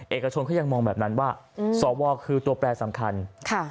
เอกชนเขายังมองแบบนั้นว่าสวคือตัวแปรสำคัญค่ะ